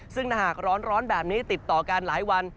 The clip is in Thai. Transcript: ซึ่งถ้าหากร้อนแบบนี้ติดต่อกันหลายวัน